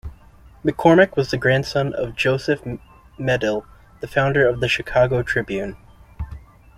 McCormick was the grandson of Joseph Medill, the founder of the "Chicago Tribune".